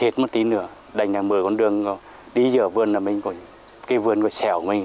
cái vườn có xẻo mình